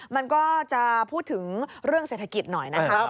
มันก็จะพูดถึงเรื่องเศรษฐกิจหน่อยนะคะ